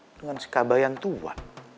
dengan si kabayan tua